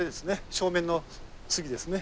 正面の杉ですね。